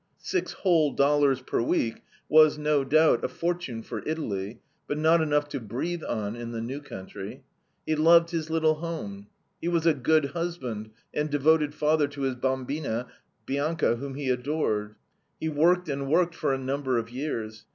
Six whole dollars per week was, no doubt, a fortune for Italy, but not enough to breathe on in the new country. He loved his little home. He was a good husband and devoted father to his BAMBINA, Bianca, whom he adored. He worked and worked for a number of years.